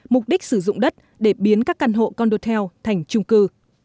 mục đích sử dụng đất để biến các căn hộ con đô theo thành chung cư